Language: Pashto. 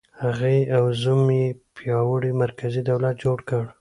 هغې او زوم یې پیاوړی مرکزي دولت جوړ کړ.